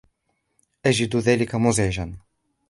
أَجِدُ ذَلِكَ مُزعِجاً